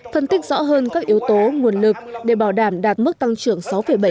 phân tích rõ hơn các yếu tố nguồn lực để bảo đảm đạt mức tăng trưởng sáu bảy